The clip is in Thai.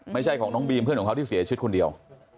ไม่ใช่ของน้องบีมเพื่อนของเขาที่เสียชีวิตคนเดียว